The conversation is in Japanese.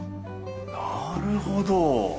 なるほど。